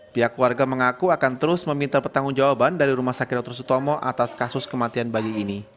pihak warga mengaku akan terus meminta pertanggung jawaban dari rumah sakit dr sutomo atas kasus kematian bayi ini